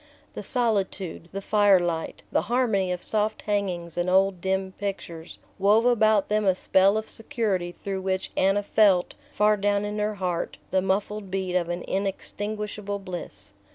The solitude, the fire light, the harmony of soft hangings and old dim pictures, wove about them a spell of security through which Anna felt, far down in her heart, the muffled beat of an inextinguishable bliss.